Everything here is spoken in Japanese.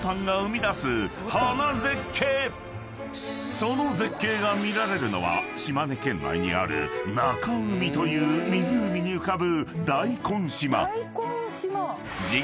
［その絶景が見られるのは島根県内にある中海という湖に浮かぶ］